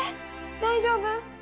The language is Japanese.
大丈夫？